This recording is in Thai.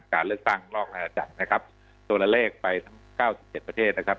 การเลือกตั้งนอกราชจักรนะครับตัวเลขไปทั้งเก้าสิบเจ็ดประเทศนะครับ